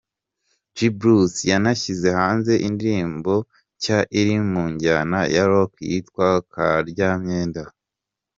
G-Bruce yanashyize hanze indirimbo nshya iri mu njyana ya Rock yitwa “Karyamyenda”.